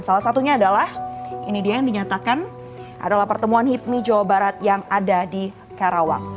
salah satunya adalah ini dia yang dinyatakan adalah pertemuan hipmi jawa barat yang ada di karawang